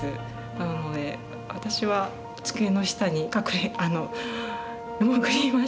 なので私は机の下に潜りました。